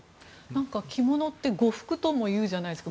着物って呉服ともいうじゃないですか。